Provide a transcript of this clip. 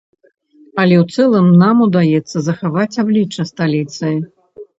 Але ў цэлым нам удаецца захаваць аблічча сталіцы.